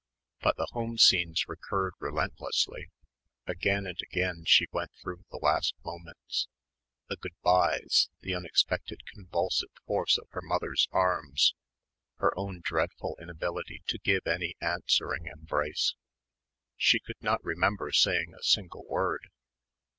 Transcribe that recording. But the home scenes recurred relentlessly. Again and again she went through the last moments ... the good byes, the unexpected convulsive force of her mother's arms, her own dreadful inability to give any answering embrace. She could not remember saying a single word.